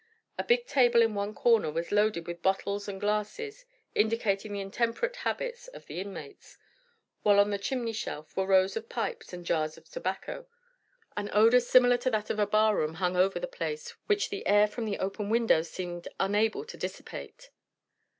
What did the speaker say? A big table in one corner was loaded with bottles and glasses, indicating the intemperate habits of the inmates, while on the chimney shelf were rows of pipes and jars of tobacco. An odor similar to that of a barroom hung over the place which the air from the open windows seemed unable to dissipate.